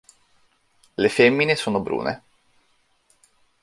Le femmine sono brune.